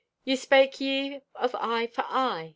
"Ye spake ye of eye for eye.